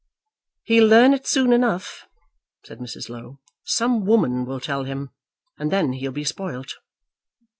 "He'll learn it soon enough," said Mrs. Low. "Some woman will tell him, and then he'll be spoilt."